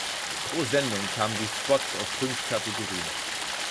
Pro Sendung kamen die Spots aus fünf Kategorien.